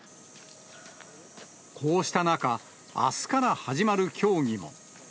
こうした中、あすから始まる競技も。